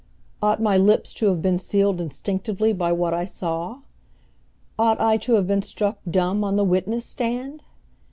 Ought my lips to have been sealed instinctively by what I saw? Ought I to have been struck dumb on the witness stand?